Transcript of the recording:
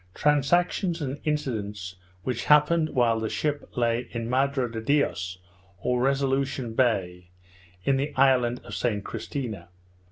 Transactions and Incidents which happened while the Ship lay in Madre de Dios, or Resolution Bay, in the Island of St Christina.